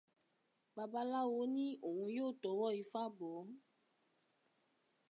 Babaláwo ní òun yóò t'ọwọ́ Ifá bọ̀ọ́.